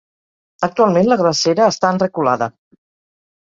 Actualment la glacera està en reculada.